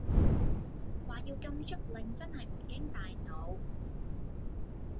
話要禁足令真係唔經大腦